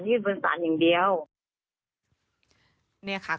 ขึ้นบนสารอย่างเดียว